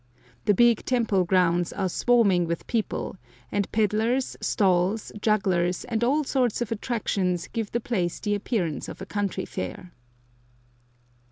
The big temple grounds are swarming with people, and pedlers, stalls, jugglers, and all sorts of attractions give the place the appearance of a country fair.